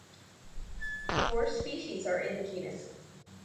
Four species are in the genus.